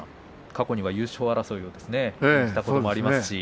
過去には優勝争いをしたこともありますね。